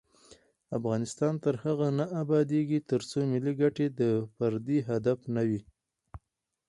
افغانستان تر هغو نه ابادیږي، ترڅو ملي ګټې د فردي هدف نه وي.